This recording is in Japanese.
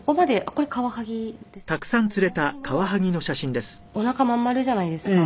これカワハギもおなかまん丸じゃないですか。